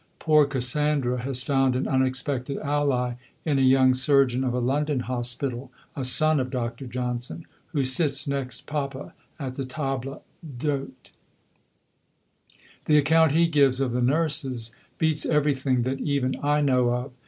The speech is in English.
Poor Cassandra has found an unexpected ally in a young surgeon of a London hospital, a son of Dr. Johnson who sits next Papa at the table d'hôte. The account he gives of the nurses beats everything that even I know of.